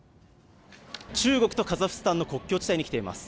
中国とカザフスタンの国境地帯に来ています。